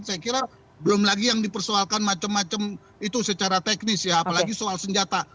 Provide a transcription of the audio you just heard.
saya kira belum lagi yang dipersoalkan macam macam itu secara teknis ya apalagi soal senjata